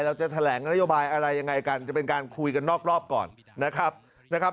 เราจะแถลงนโยบายอะไรยังไงกันจะเป็นการคุยกันนอกรอบก่อนนะครับนะครับ